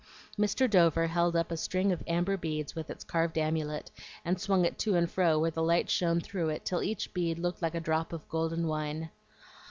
Mr. Dover held up a string of amber beads with its carved amulet, and swung it to and fro where the light shone through it till each bead looked like a drop of golden wine.